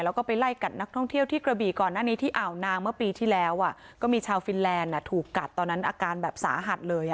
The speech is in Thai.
แล้วก็ไปไล่กัดนักท่องเที่ยวที่กระบี่ก่อนหน้านี้ที่อ่าวนางเมื่อปีที่แล้วก็มีชาวฟินแลนด์ถูกกัดตอนนั้นอาการแบบสาหัสเลย